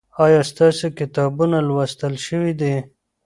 ایا ستاسو کتابونه لوستل شوي دي؟